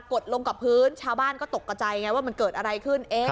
ดลงกับพื้นชาวบ้านก็ตกกระใจไงว่ามันเกิดอะไรขึ้น